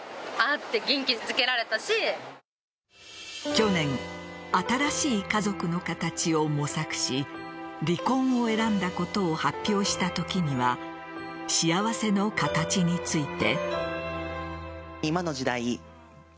去年、新しい家族の形を模索し離婚を選んだことを発表したときには幸せの形について。